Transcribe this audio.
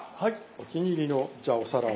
お気に入りのじゃあお皿を。